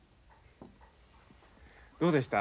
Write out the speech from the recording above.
どうでした？